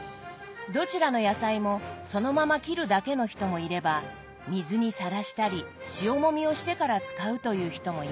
どちらの野菜もそのまま切るだけの人もいれば水にさらしたり塩もみをしてから使うという人もいます。